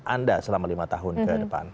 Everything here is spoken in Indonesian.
anda selama lima tahun ke depan